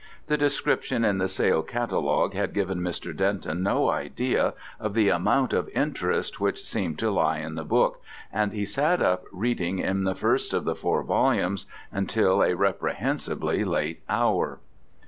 The description in the sale catalogue had given Mr. Denton no idea of the amount of interest which seemed to lie in the book, and he sat up reading in the first of the four volumes until a reprehensibly late hour.